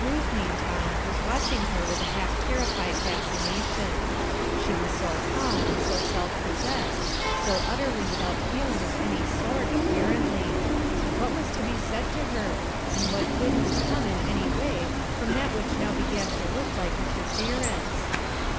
Ruth, meantime, was watching her with a half terrified fascination. She was so calm, so self possessed, so utterly without feeling of any sort, apparently. What was to be said to her? and what good could come in any way from that which now began to look like inter ference